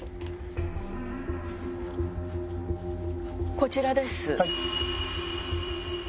こちらです。